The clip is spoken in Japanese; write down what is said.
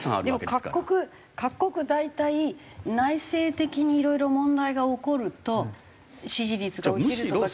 でも各国各国大体内政的にいろいろ問題が起こると支持率が落ちるとか。